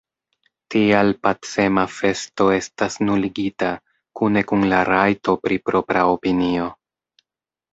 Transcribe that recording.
Tial pacema festo estas nuligita – kune kun la rajto pri propra opinio.